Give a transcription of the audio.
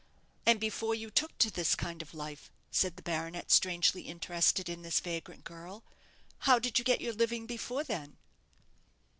"And before you took to this kind of life," said the baronet, strangely interested in this vagrant girl; "how did you get your living before then?"